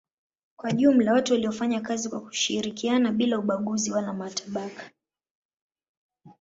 Kwa jumla watu walifanya kazi kwa kushirikiana bila ubaguzi wala matabaka.